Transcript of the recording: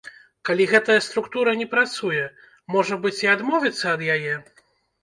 Калі гэтая структура не працуе, можа быць, і адмовіцца ад яе?